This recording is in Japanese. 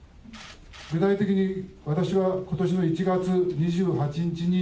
具体的に、私はことしの１月２８日に、